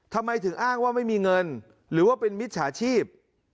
ทำไมถึงอ้างว่าไม่มีเงินหรือว่าเป็นมิจฉาชีพ